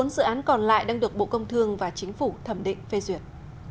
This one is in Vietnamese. một mươi bốn dự án còn lại đang được bộ công thương và chính phủ thẩm định phê duyệt